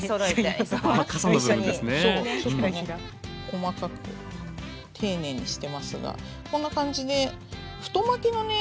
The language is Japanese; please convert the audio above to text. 細かく丁寧にしてますがこんな感じで太巻きのね